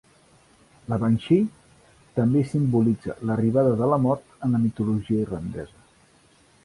La banshee també simbolitza l'arribada de la mort en la mitologia irlandesa.